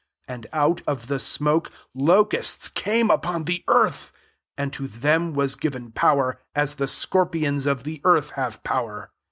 3 Aind out of the smoke locusts :ame upon the earth; and to hem was given power, as the icorpions of the earth have )ower.